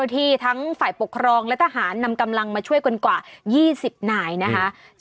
ที่ทั้งฝ่ายปกครองและทหารนำกำลังมาช่วยกันกว่า๒๐นายนะคะ